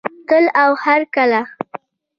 تل او هرکله.